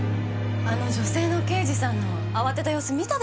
あの女性の刑事さんの慌てた様子見たでしょう？